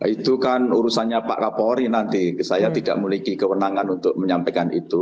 itu kan urusannya pak kapolri nanti saya tidak memiliki kewenangan untuk menyampaikan itu